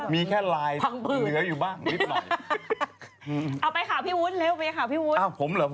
มีแค่ไลน์เหนืออยู่บ้างวิบหน่อย